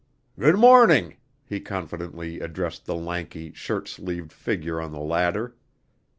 "Good morning!" he confidently addressed the lanky, shirt sleeved figure on the ladder.